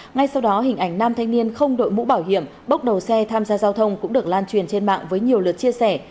ngay sau đó hình ảnh nam thanh niên không đội mũ bảo hiểm bốc đầu xe tham gia giao thông cũng được lan truyền trên mạng với nhiều lượt chia sẻ